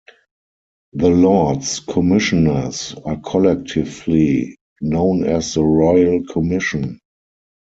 The Lords Commissioners are collectively known as the Royal Commission.